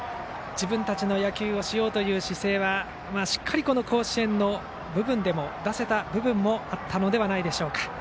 自分たちの野球をしようという姿勢はしっかり、この甲子園でも出せた部分もあったのではないでしょうか。